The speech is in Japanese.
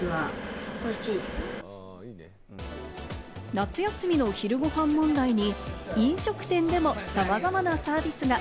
夏休みの昼ごはん問題に飲食店でもさまざまなサービスが。